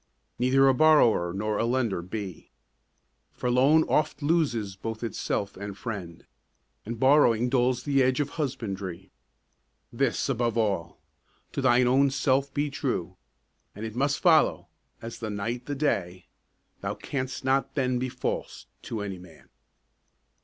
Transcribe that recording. Neither a borrower nor a lender be; For loan oft loses both itself and friend, And borrowing dulls the edge of husbandry. This above all: To thine own self be true, And it must follow, as the night the day, Thou canst not then be false to any man.